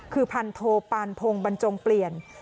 คือพันโทปานพงศ์บรรจงเปลี่ยน